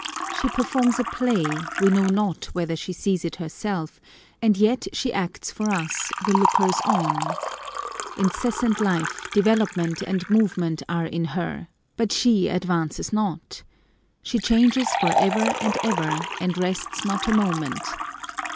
She performs a play ; we know not whether she sees it herself, and yet she acts for us, the lookers on. Incessant life, development, and movement are in her, but she advances not. She changes for ever and ever, and rests not a moment.